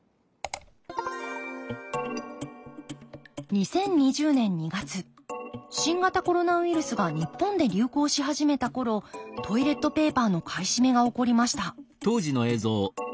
２０２０年２月新型コロナウイルスが日本で流行し始めた頃トイレットペーパーの買い占めが起こりました